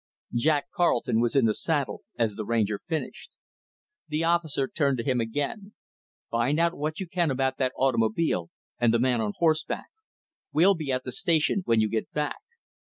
Jack Carleton was in the saddle as the Ranger finished The officer turned to him again. "Find out what you can about that automobile and the man on horseback. We'll be at the Station when you get back."